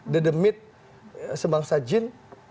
dedemit sebangsa jin